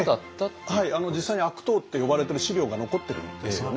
はい実際に「悪党」って呼ばれてる資料が残ってるんですよね。